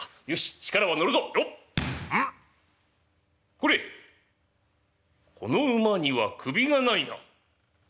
これこの馬には首がないな」。